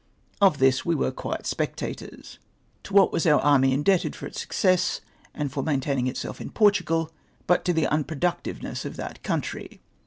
Of this, we were quiet spectators. To what was our army indeljted for its success aud for maintaining itself in Portugal, but to the unproduc tiveness of that country.